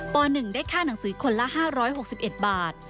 ป๑ได้ค่าหนังสือคนละ๕๖๑บาท